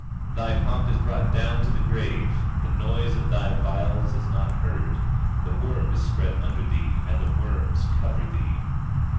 24:11 Thy pomp is brought down to the grave; the noise of thy viols is not heard; the worm is spread under thee, and the worms cover thee.